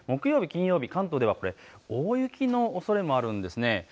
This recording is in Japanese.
木曜日と金曜日は関東、大雪のおそれもあるんです。